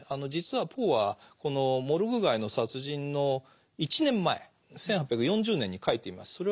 実はポーはこの「モルグ街の殺人」の１年前１８４０年に書いています。